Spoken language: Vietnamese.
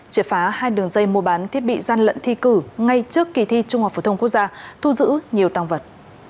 triệt phá hai đường dây mua bán thiết bị gian lận thi cử ngay trước kỳ thi trung học phổ thông quốc gia thu giữ nhiều tăng vật